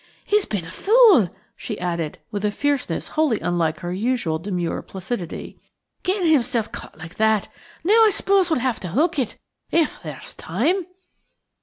He's been a fool!" she added, with a fierceness wholly unlike her usual demure placidity, "getting himself caught like that. Now I suppose we shall have to hook it–if there's time."